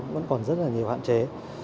vẫn còn rất nhiều hạn chế